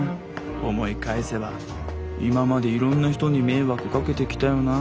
思い返せば今までいろんな人に迷惑かけてきたよな。